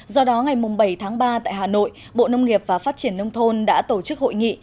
do đó ngày bảy tháng ba tại hà nội bộ nông nghiệp và phát triển nông thôn đã tổ chức hội nghị